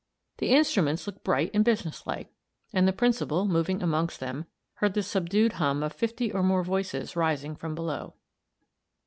The instruments looked bright and business like, and the Principal, moving amongst them, heard the subdued hum of fifty or more voices rising from below.